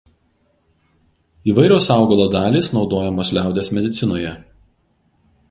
Įvairios augalo dalys naudojamos liaudies medicinoje.